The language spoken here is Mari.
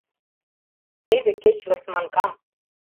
Теве кеч Лысманкам.